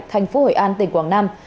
thành phố hội an tỉnh quảng nam